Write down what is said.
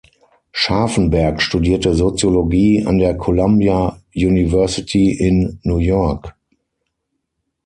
Scharfenberg studierte Soziologie an der Columbia University in New York.